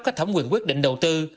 các thẩm quyền quyết định đầu tư